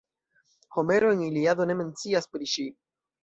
Homero en Iliado ne mencias pri ŝi.